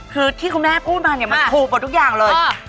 คือที่คุณแม่พูดมาเนี่ยมันถูกหมดทุกอย่างเลย